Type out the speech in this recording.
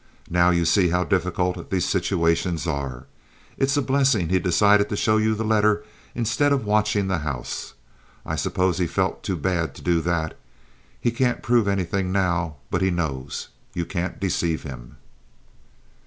Now you see how difficult these situations are. It's a blessing he decided to show you the letter instead of watching the house. I suppose he felt too bad to do that. He can't prove anything now. But he knows. You can't deceive him."